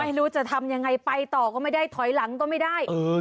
ไม่รู้จะทำยังไงไปต่อก็ไม่ได้ถอยหลังก็ไม่ได้